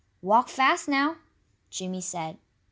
"Walk fast, now!" Jimmy said.